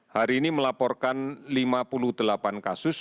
hari ini melaporkan lima puluh delapan kasus